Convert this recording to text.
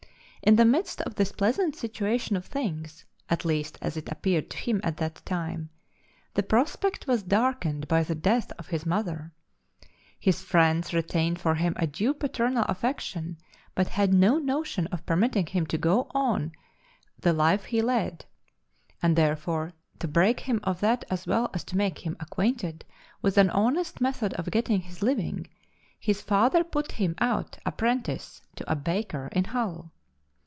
In the midst of this pleasant situation of things (at least as it appeared to him at that time) the prospect was darkened by the death of his mother. His friends retained for him a due paternal affection, but had no notion of permitting him to go on the life he led, and therefore to break him of that as well as to make him acquainted with an honest method of getting his living, his father put him out apprentice to a baker in Hull.